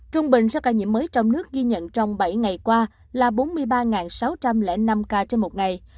trung bình số ca nhiễm mới trong nước ghi nhận trong bảy ngày qua là bốn mươi ba sáu trăm linh năm ca trên một ngày